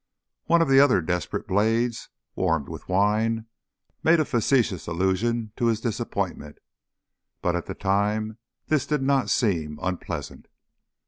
One of the other desperate blades, warmed with wine, made a facetious allusion to his disappointment, but at the time this did not seem unpleasant.